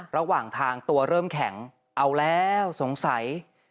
ระหว่างทางตัวเริ่มแข็งเอาแล้วสงสัย